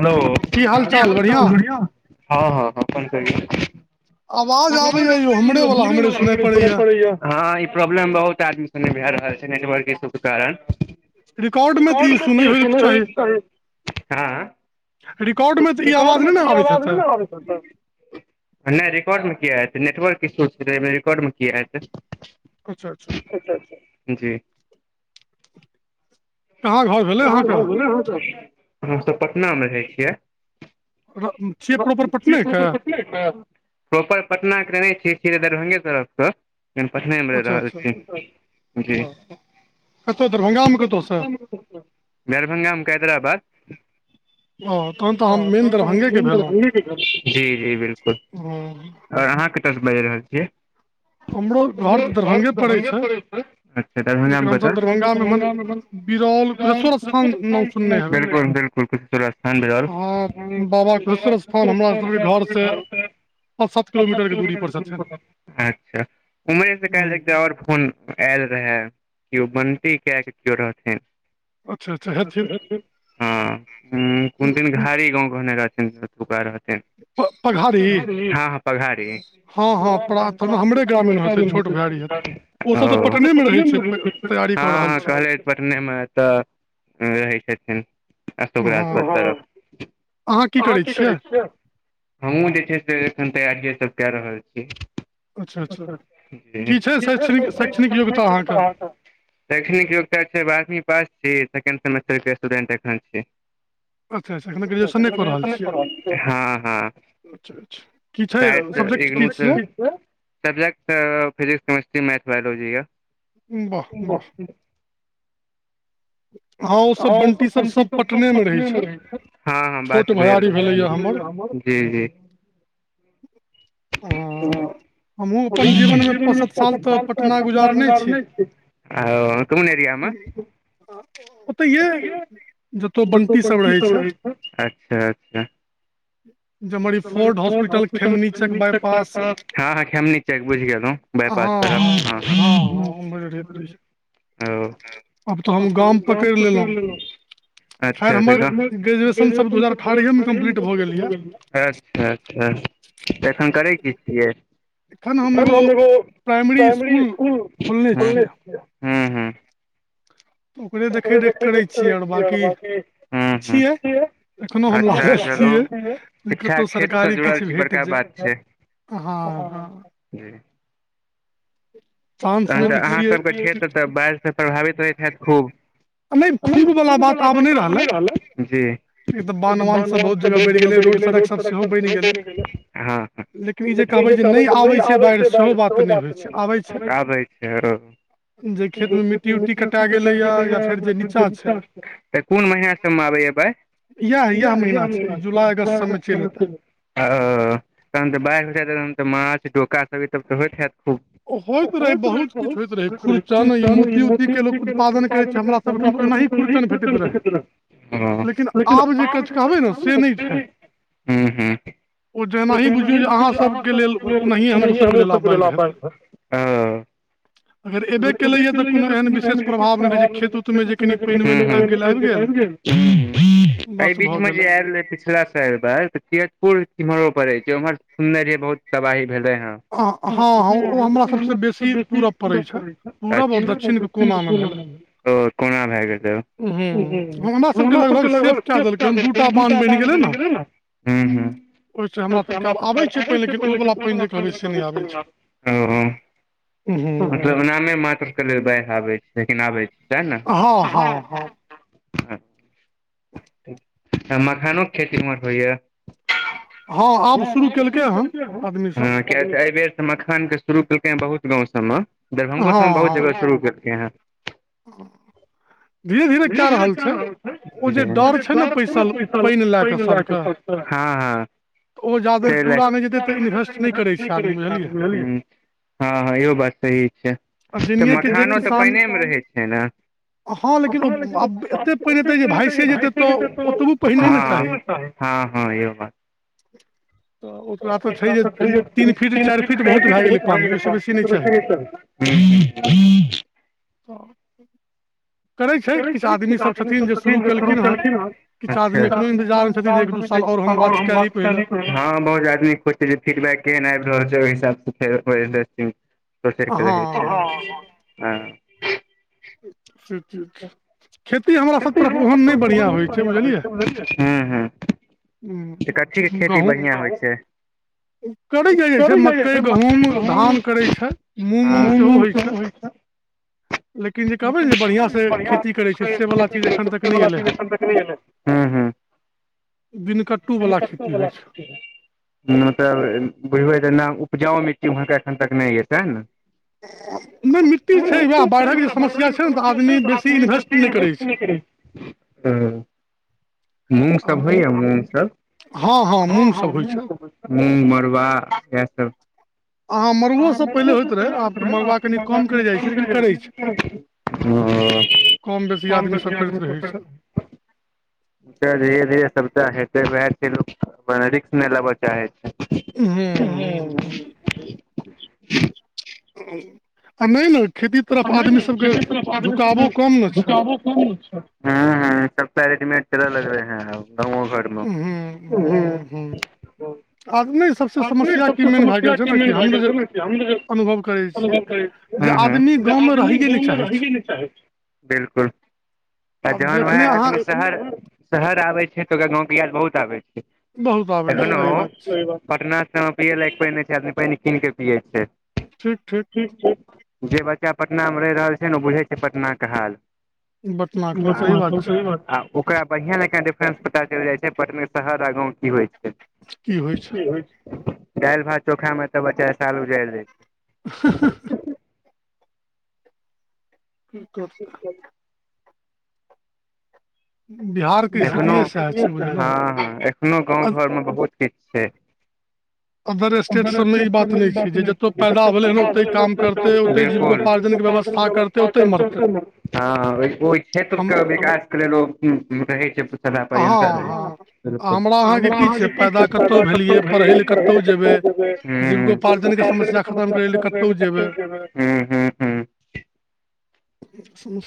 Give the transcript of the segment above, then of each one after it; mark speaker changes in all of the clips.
Speaker 1: Hello कि हाल चाल बढ़िया, हा हा अपन कहियौ? आवाज हमरे वाला हमरे सुनाई पड़े यै। हाई प्रॉब्लम बहुत आदमी संगे भए रहल छै नेटवर्क इस्सु के कारण। रिकॉर्ड कथि सुनय हेते। हा रिकॉर्ड मे ते ई आवाज नै आबैत हेते? नै रिकॉर्ड में किए एते नेटवर्क इस्सु छै तै एमें रिकॉर्ड में किए एते।
Speaker 2: अच्छाअच्छा।
Speaker 1: अच्छा-अच्छा जी। [inaudible] कहाँ घर भेलैन हुनकर हम सब पटना में रहै छियै।
Speaker 2: अहाँ छियै प्रोपर पटने कऽ
Speaker 1: [unintelligible] प्रॉपर पटना केँ तऽ नै छीयै छी तऽ दरभंगे तरफ स एखन पटने में रह रहल छी अच्छा जी
Speaker 2: कतो दरभंगे
Speaker 1: [unintelligible] दरभंगा में कैदराबाद। [inaudible] हँ तहन तऽ अहाँ मेन दरभंगे केँ भेलौ जी-जी बिल्कुल।
Speaker 2: [unintelligible]
Speaker 1: और अहाँ कत स बाइज रहल छियै [inaudible] हमरो घर दरभंगा परै छै अच्छा दरभंगा में कत लेकिन दरभंगा [unintelligible] [unintelligible] [unintelligible] अच्छा उम्हरे स काइल एकटा और फोन ऐल रहै कियो बंटी कए कै कियो रहथिन। [unintelligible] कुन दिन घारी गांव कहनाए रहथिन त [unintelligible] का रहथिन।
Speaker 2: पघारी।
Speaker 1: पघारी। [unintelligible] रहे छै। हँ हँ कहलैथ पटने मे ऐत रहै छथिन अशोक राजपथ तरफ हँ [inaudible] अहाँ की करै कियों [inaudible] हमहुँ जे छै से एखन तैयारियए सब कै रहल छी [unintelligible] शैक्षणिक योग्याक छै बारहवी पास छी सेण्ड सेमेस्टर केँ स्टूडेन्ट एखन छि [inaudible] एखने ग्रेजुएसने कऽ रहल छी से हँ हँ
Speaker 2: अच्छा अच्छा की छै सब्जेक्ट की छियै
Speaker 1: subject physics chemistry math biology यऽ
Speaker 2: वाह वाह
Speaker 1: और सब बंटी सब सब परने में रहते छैथ हँ हँ बात भेल [unintelligible] जी जी [inaudible] हँ [unintelligible] कोन एरिया म
Speaker 2: ओते ए जत बंटी सभ रहै छै [inaudible]
Speaker 1: [unintelligible] बइपास तर ह ओ [unintelligible] अब तऽ हम गाम पकैर लेलै अच्छ [unintelligible] ग्रेजुएशन दो हजार अठारहे में कंप्लीट भऽ गेल यऽ अच्छा अच्छा तऽ एखन करै की छियै एखन हम एगो प्राइमरी इसकुल खोलने छियै
Speaker 2: ओकरे देखे रेख करै छियै और बाँकी [inaudible] छियै एखनो हम लागल छियै जे कतौ सरकारी किछ भेट जै हँ हँ
Speaker 1: जी तहन तऽ अहाँसभके क्षेत्र तऽ बाढ़िसँ प्रभावित होइत हैत खूब खूब बला बात आब नइ रहले ह जी जगह बढ़ गेल रोड लेकिन ई कहबै नहि आबै बढ़ बात नहि आबै छै ओ दी कसा गेल य कोन महिनासँ हम आबैए बाइढ ओ तहन तऽ बाढ़ि हो जायत तहन तऽ माछ डोकास सब ई सब तऽ होइत हायत खूब
Speaker 2: होइत रहै बहुत किछु होयइत रहै खुर्चन ई मोती उती के ल लोक उत्पादन करैत छै हमरा सभठाम तऽ ओनाही खुर्चन भेटैत रहै लेकिन आब जेछ कहबै ने से नहि छै
Speaker 1: हूँ हूँ अहाँ सब अहां सबके लेल ला पाएर गर ए च लए तन एहि बीच मे जे आयल पिछला साल पर तियजपुर केम्हरो परड़े छै उम्हर सुनने रहियै बहुत तबाही भेले हे
Speaker 2: हँ हँ ओ हमरा
Speaker 1: कोना भए गेल ह हमरा सबके लगभग से दू बामान गेलै ने ह हमरा एग [inaudible] [unintelligible] ओ ओ मतलब नामे मात्रके लेल बाइढ़ आबै छै लेकिन आबै छै सैह न आ मखानोके खेती म होइय हँ आ शुरू करते ह किया तऽ एहिबरसँ मखानके के शुरू केलकै हँ बहुत गाँव सबमे दरभ्ंगो सबमे बहुत जगह शुरू केलकै हँ जर क रहल छैर को ने पैसा पहिने लए ककत झल [inaudible] हँ हँ इहो बात सही छै तऽ मखानो तऽ पाइने मे रहै छै मखान कोनो [unintelligible] भा ह हँात [inaudible] तीन फीट चारि फीट [inaudible] ह ह [unintelligible]
Speaker 2: ह [inaudible] करै छै किछ आदमी सब छथिन जे शुरू केलखिन हन किछ आदमी एखनो इन्तजार मे छथिन एक दोसर साल आओर हम वाच कए ली पहिले
Speaker 1: हँ बहुत आदमी के होइ छै जे फीडबैक केहन आबि रहल छै ओहि हिसाब से फ तोस क छै ह [unintelligible]
Speaker 2: ख [inaudible]
Speaker 1: खेती प्रन [unintelligible] बढ़िआ होइ छै समझलियै त कथीके खेती बढ़िआँ होइ छै जाइ फ मकइ [unintelligible] गहुम गहुम सेहो होइ छै [unintelligible] बढ़ि ख [inaudible] ह ह [unintelligible] मतलब बुझबै जे नहि उपजाउ मिट्टी वहाँके एखन तक नहि यऽ सैह ने
Speaker 2: नय मिट्टी छै उएह बाढ़ि के जे समस्या छै ने तऽ आदमी बेसी इन्भेस्ट नय करै छै
Speaker 1: त मूग सब होइया मूग सब ह ह मूँग सब मूंगा मड़बा इएह सब [unintelligible] हाँ हम देखलिए आदमी सब के फैर धीरे धीरे सबटा हेतै वएह छै लोग बर रिक्स ने लेबऽ चाहै छै
Speaker 2: हु हु हु आ नै न खेती तरफ आदमी सबके झुकावो कम न छै
Speaker 1: ह ह सबटा रेडीमेड चल लगलै हन आब गाँवो घर [unintelligible]
Speaker 2: [unintelligible]
Speaker 1: आदमी सबके समस्या की मेन भए गेल छै ने हम अनुभव करें हू हू जे आदमी गाँव मे रहहिये ने चाहै छै बिलकुल आ जहन वैह आदमी शहर शहर आबै छै तऽ ओकरा गाँव के याद बहुत आबै छै एखनो पटना सँ पियै लायक पइन नय छै आदमी पइन कीन कऽ पियै छै
Speaker 2: ठीक ठीक
Speaker 1: जे बच्चा पटना मे रहि रहल छै न ओ बुझै छै पटना के हाल [unintelligible] सही बात [unintelligible] ओकरा बढ़िआँ जेका डिफरेन्स पता चैल जाइ छै पटने शहर आ गाँव की होइ छै
Speaker 2: की होइ छै
Speaker 1: दाइल भात चोखा मे तऽ बच्चा साल उजारि दै छै
Speaker 2: हु हु हु ठीक गप बिहार
Speaker 1: एखनो हँ हँ एखनो गाँव घर मे बहुत किछ छै ओकर स्टेट के मेन बात नइ छै जे जऽत पैदा भेलै न [unintelligible] बिलकुल [unintelligible] ओहि क्षेत्र के विकास अकेले लोक हु हु रहै छै सदा परायेटर रहे छै बिलकुल अ हमरा अहा के कि छै पैदा कत्तो भल्ले हँ पढ़ाई ल कत्तो जबबई हु हु हु [unintelligible] [unintelligible]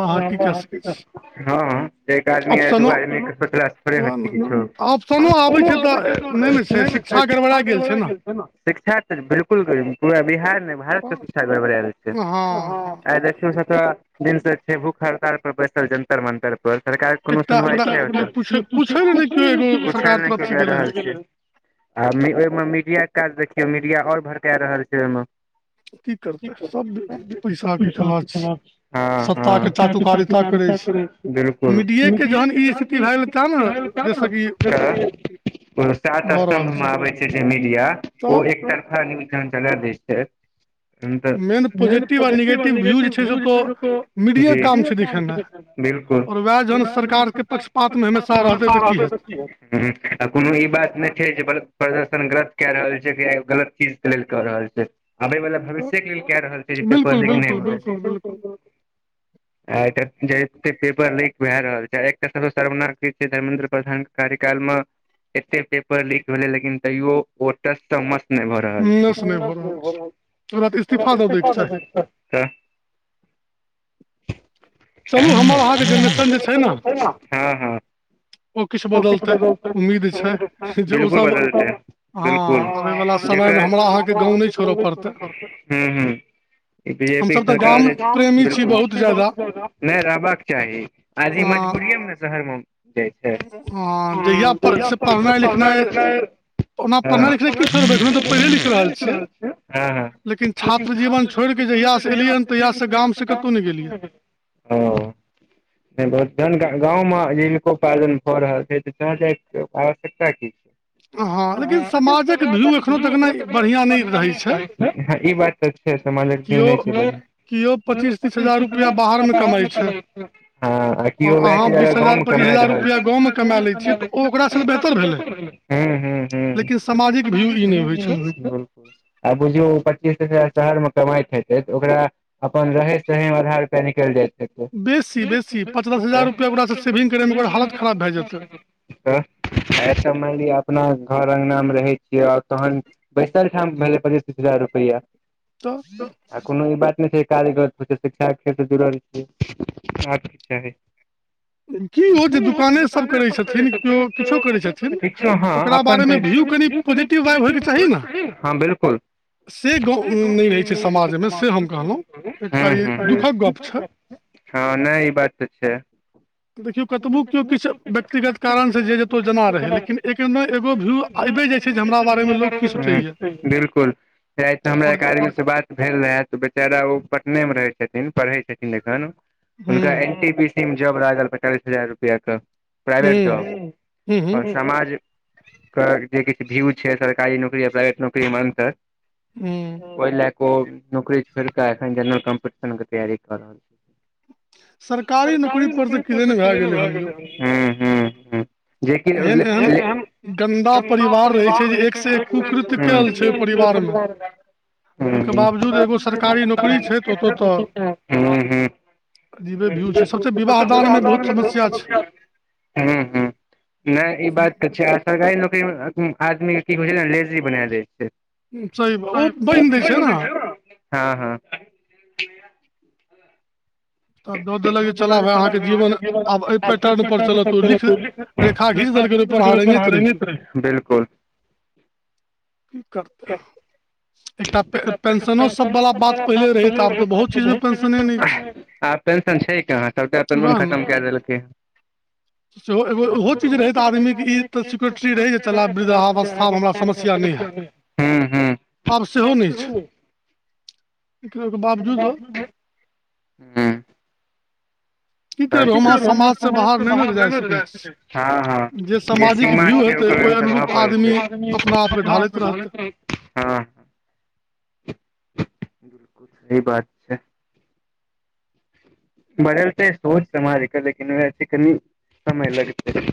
Speaker 1: हँ हँ एक आदमी आ दू आदमी के सोचला स थोड़े होइ छै किछो [unintelligible] शिक्षा गर्बरा गैल छै न शिक्षा बिलकुल गरी पूरा बिहार भारत [unintelligible] आइ देखियौ सब दिन से छै भूख हड़ताल पर बैसल जंतर मंतर पर सरकार कोनो सुना पूछे छल ने कोई जा रहल छिय आ ओहि मे मीडिया के काज देखियौ मीडिया ओर भड़का रहल छै ओहि मे
Speaker 2: की करतेै सब
Speaker 1: पैस चाकू कार कर [unintelligible] [unintelligible] बिलकुल [unintelligible] सात स्तम्भ मे आबै छै जे मीडिया ओ एकतरफा नूज चला दै छै तहन त main positive or negative view जे मिडिये काम करें छै न तऽ की आ कोनो ई बात नहि छै जे प्रदर्शन गलत कऽ रहल छै गलत चीज लेल कऽ रहल छै आबै वाला भविष्य केँ लेल कए रहल छै जे पर्दर्षण नहि होइ आई जे छै पेपर लीक भए रहल छै एकटा सरवनि छै धर्मेन्द्र प्रधान कार्यकाल में एतेक पेपर लीक भेलै लेकिन तैयो वोटर सँ मस्त नहि भऽ रहल छै भ रहल छै कऽ रहल छै अए हा हा ओ कि बदल तऽ बिलकुल बदलतै बिलकुल जेकर हु हूँ बीजेपी केँ सरकार जे छै बिलकुल नहि रहबाक चाही आजी मजबूरी एम ने शहर में जे छै सब केँ पढ़नाइ लिखनाइ हा हा हा
Speaker 2: छात्र जीवन छोड़ि कऽ जहिया सँ एलियै हन तहिया सँ गाँव में कतहु नहि गेलियै
Speaker 1: हा जहन गाँव में जिनको पालन भऽ रहल छै तऽ तहाँ जाय केँ आवश्यकता की छै
Speaker 2: हँ लेकिन समाजक व्यू एखनो तक नहि बढिया नहि रहैत छै
Speaker 1: हा ई बात तऽ छै समाल कऽ नहि छै हा कियो गाँव में हूँ हूँ हूँ और बुझियौ पच्चीस हजार शहर में कमाइत हेतै तऽ ओकरा अप्पन रहै सहे में आधार रूप निकलि जेतै
Speaker 2: बेसी बेसी पाँच दस हजार रुपैआ ओकरा सऽ सेविंग करै में ओकर हालत खराब भए जेतै
Speaker 1: सऽ मानि लिअ अपना घोर अगना में रहै छियै आर तहन बैसाल ठाम भेलै पचीस तीस हजार रुपया और कोनो ई बात नहि छै कारीगत शिक्षा खेसँ जुड़ल छै जे
Speaker 2: कि ओ जे दुकाने सभ करैत छथिन केओ किछो करै छथिन ओकरा बारे में व्यू कनि पॉजिटिव विबे होके चाही न
Speaker 1: हा बिलकुल समाज हम कहू ह नहि ई बात तऽ छै
Speaker 2: देखियौ कतबो किओ किछु व्यक्तिगत कारणसँ जे जेतहु जेना रहे लेकिन एकमे एगो व्यू आबे जाई छै जे हमरा बारेमे लोक कि सोचैए
Speaker 1: चाहे तऽ हमरा एक आदमी से बात भेल रहे तऽ बेचारा ओ पटने मे रहे छथिन पढ़े एखन हुनका एनटी बी सी मे जॉब लागल पताइलिस हजार रुपआ के प्राइवेट जॉब ओर समाज जे किछु व्यू छै सरकारी नौकरी आर प्राइवेट नौकरी मे अन्तर ओहि लए कऽ ओ नौकरी छोड़ कऽ एखन जनरल कम्पटिशन के तैयारी कऽ हल छी सरकारी नौकरी तऽ भऽ गेल हम्म हम्म जेकिन गन्दा परिवार रहे छै हू हू हू ह तऽ विवाह दान मे [inaudible] ह ह नहि ई बात क छै [inaudible] सरकारी नौकरी मे आदमी के की होइ छै ने लेजी बना दै छै [inaudible] हँ हँ [inaudible] [inaudible] बिल्कुल
Speaker 2: की करता एकटा पेंशनो सब वाला बात पहिले रहे ते आब तऽ बहुत चीज में पेंशने नय छै
Speaker 1: आब पेंशन छै कहाँ सबटा पेंशन खतम कए देलकै
Speaker 2: सेहो एगो ओहो चीज रहै तऽ आदमीके ई तऽ सिक्योरििटी रहै जे चलाय वृद्धावस्थामे हमरा समस्या नय हैतत
Speaker 1: हूँ हूँ
Speaker 2: आब सेहो नय छै ओहिके बावजूदो
Speaker 1: हँ [inaudible] [inaudible] की करब समाज स बाहर नइ न जा सकय छी हँ हँ जे सीमा छय [inaudible] आगी अपथ घाल रहत [inaudible] हँ बिलकुल सही बात [inaudible] बढ़ल सोच समाज के लेकिन कनी समय लगतै